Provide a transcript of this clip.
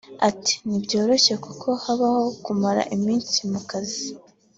Ati” ntibyoroshye kuko habaho kumara iminsi mu kazi